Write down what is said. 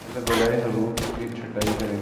پہلے بالائی حروف کی چھٹائی کریں